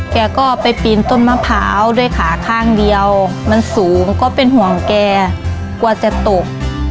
แกก็ไปปีนต้นมะพร้าวด้วยขาข้างเดียวมันสูงก็เป็นห่วงแกกลัวจะตก